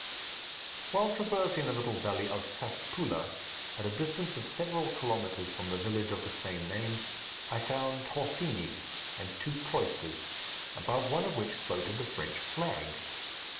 While traversing the little valley of Saspoula, at a distance of several kilometres from the village of the same name, I found "t'horthenes" and two cloisters, above one of which floated the French flag.